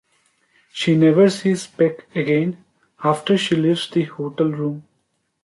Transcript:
She never sees Peck again after she leaves the hotel room.